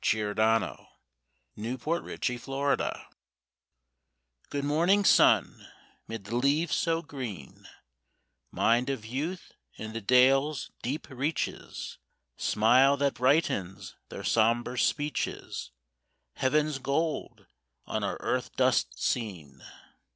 THE MAIDENS' SONG (FROM HALTE HULDA) Good morning, sun, 'mid the leaves so green Mind of youth in the dales' deep reaches, Smile that brightens their somber speeches, Heaven's gold on our earth dust seen!